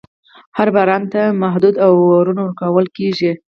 هر بالر ته محدود اوورونه ورکول کیږي.